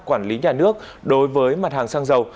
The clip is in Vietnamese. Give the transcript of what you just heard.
quản lý nhà nước đối với mặt hàng xăng dầu